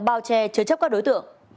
bao che chứa chấp các đối tượng